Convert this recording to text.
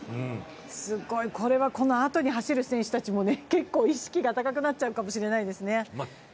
すごい、これはこのあとに走る選手たちも結構意識が高くなっちゃうかもしれないですね。